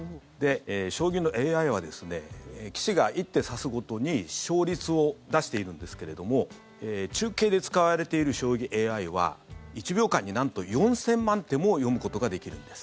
将棋のＡＩは棋士が１手指すごとに勝率を出しているんですけれども中継で使われている将棋ＡＩは１秒間になんと４０００万手も読むことができるんです。